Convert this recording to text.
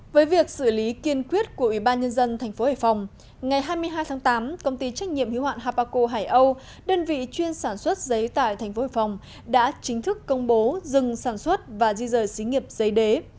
với việc xử lý kiên quyết của ủy ban nhân dân tp hải phòng ngày hai mươi hai tháng tám công ty trách nhiệm hiếu hạn habaco hải âu đơn vị chuyên sản xuất giấy tại tp hải phòng đã chính thức công bố dừng sản xuất và di rời xí nghiệp giấy đế